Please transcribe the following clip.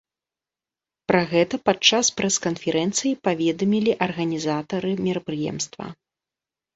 Пра гэта падчас прэс-канферэнцыі паведамілі арганізатары мерапрыемства.